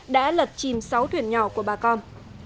đã lật chìm sáu thuyền nhỏ của bà con